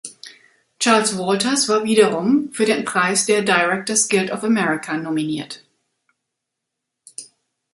Charles Walters war wiederum für den Preis der Directors Guild of America nominiert.